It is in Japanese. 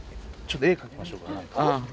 絵描きましょうか。